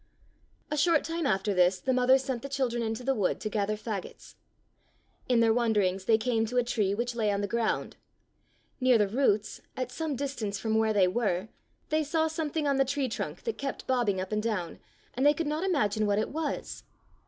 A short time after this the mother sent the children into the wood to gather fagots. In their wanderings they came to a tree which lay on the ground. Near the roots, at some distance from where they were, they saw 40 Fairy Tale Bears something on the tree trunk that kept bob bing up and down, and they could not imag ine what it was.